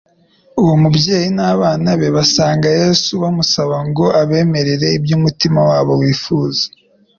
Uwo mubyeyi n'abana be basanga Yesu bamusaba ngo abemerere iby'umutima wabo wifuza.